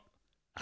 あ？